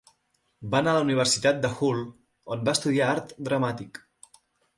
Va anar a la Universitat de Hull, on va estudiar art dramàtic.